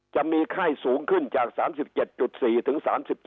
จะมีไข้สูงขึ้นจาก๓๗๔ถึง๓๗